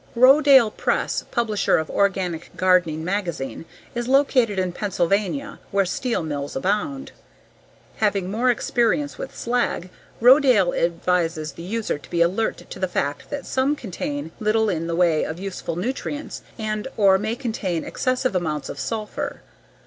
Rodale Press, publisher of Organic Gardening magazine is located in Pennsylvania where steel mills abound. Having more experience with slag, Rodale advises the user to be alert to the fact that some contain little in the way of useful nutrients and/or may contain excessive amounts of sulfur.